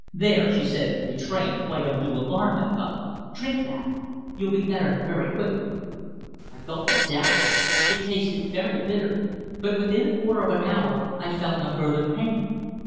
`There,' she said, betraying quite undue alarm, I thought, `drink that. You'll be better very quickly.' I gulped it down. It tasted very bitter, but within a quarter of an hour I felt no further pain.